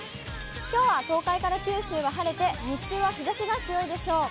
きょうは東海から九州は晴れて、日中は日ざしが強いでしょう。